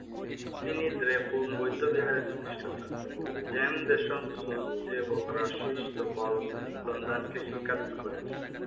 তিনি দ্রেপুং বৌদ্ধবিহারের প্রতিষ্ঠাতা 'জাম-দ্ব্যাংস-ছোস-র্জে-ব্ক্রা-শিস-দ্পাল-ল্দানকে শিক্ষাদান করেন।